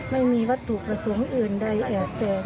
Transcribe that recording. ไม่มีวัตถุประสงค์อื่นใดแอบแฝง